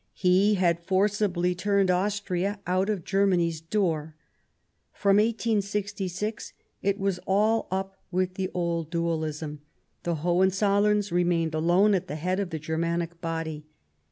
He had forcibly turned Austria out of Germany's door ; from 1866 it was all up with the old dualism ; the HohenzoUerns remained alone at the head of the Germanic body.